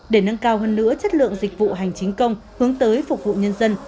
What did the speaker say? để nâng cao hơn nữa chất lượng dịch vụ hành chính công hướng tới phục vụ nhân dân